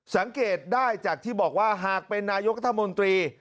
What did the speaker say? สังเกตได้จากที่บอกว่าหากเป็นนายกรัฐมนตรี